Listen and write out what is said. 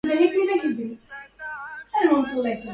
للذنب سر عجيب